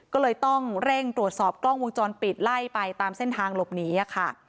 ก็เลยต้องเร่งตรวจสอบกล้องวงจรปิดไล่ไปตามเส้นทางหลบหนีค่ะ